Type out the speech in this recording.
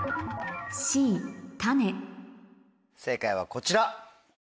正解はこちら。